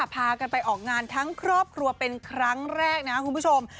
พากันไปออกงานทั้งครอบครัวเป็นครั้งแรกนะครับคุณผู้ชม